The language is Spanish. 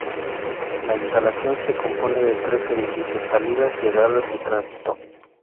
La instalación se compone de tres edificios; salidas, llegadas y tránsito.